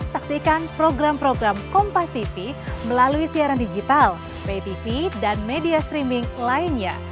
saksikan program program kompastv melalui siaran digital ptv dan media streaming lainnya